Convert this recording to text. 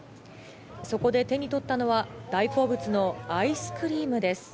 そこで手に取ったのは大好物のアイスクリームです。